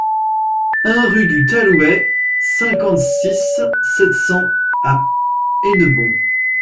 un rue du Talhouët, cinquante-six, sept cents à Hennebont